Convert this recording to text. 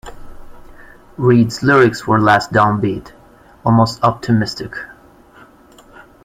Reed's lyrics were less downbeat, almost optimistic.